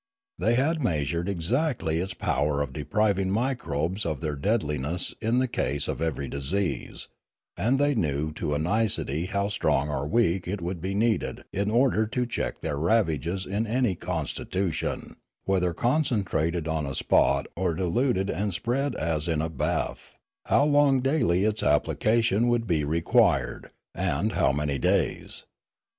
They had measured ex actly its power of depriving microbes of their deadliness in the case of every disease; and they knew to a nicety how strong or weak it would be needed in order to check their ravages in any constitution, whether con centrated on a spot or diluted and spread as in a bath, how long daily its application would be required, and how many days.